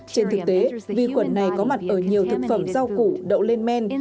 trên thực tế vi khuẩn này có mặt ở nhiều thực phẩm rau củ đậu lên men